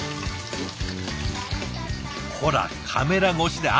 ほらカメラ越しで。